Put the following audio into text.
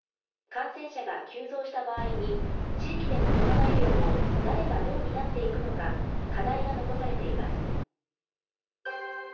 感染者が急増した場合に、地域でのコロナ医療を誰がどう担っていくのか、課題が残されています。